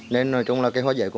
nên hoa giấy của mình rất nhiều